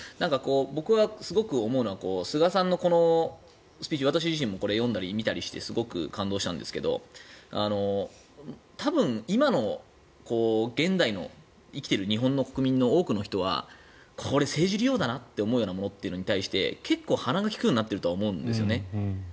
僕はすごく思うのは菅さんのこのスピーチ私自身もこれ、読んだり見たりしてすごく感動したんですけど多分、今の現代の生きている日本の国民の多くの人はこれ、政治利用だなって思うようなものに対して結構鼻が利くようになっていると思うんですよね。